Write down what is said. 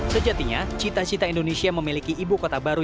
sejatinya cita cita indonesia memiliki ibu kota baru